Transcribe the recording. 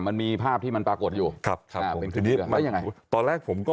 มันมีภาพที่มันปรากฏอยู่ครับครับแล้วยังไงตอนแรกผมก็